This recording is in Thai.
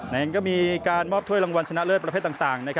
นั้นก็มีการมอบถ้วยรางวัลชนะเลิศประเภทต่าง